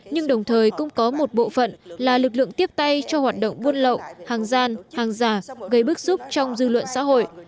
nhưng đồng thời cũng có một bộ phận là lực lượng tiếp tay cho hoạt động buôn lậu hàng gian hàng giả gây bức xúc trong dư luận xã hội